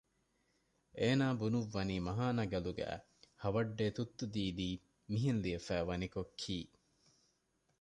އޭނާ ބުނުއްވަނީ މަހާނަ ގަލުގައި ‘ހަވައްޑޭ ތުއްތު ދީދީ’ މިހެން ލިޔެވިފައި ވަނިކޮށް ކީ